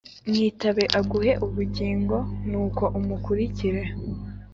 Mwitabe aguhe ubugingo nuko umukirikire